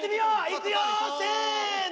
いくよせの。